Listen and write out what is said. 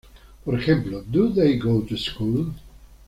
Por ejemplo: "Do they go to school?